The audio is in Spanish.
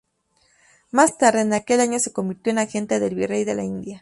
Más tarde en aquel año se convirtió en agente del Virrey de la India.